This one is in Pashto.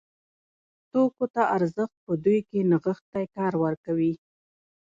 توکو ته ارزښت په دوی کې نغښتی کار ورکوي.